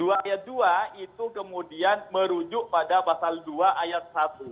dua ayat dua itu kemudian merujuk pada pasal dua ayat satu